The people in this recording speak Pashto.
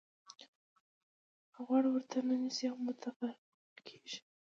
غوږ ورته نه نیسئ او متفرق کېږئ.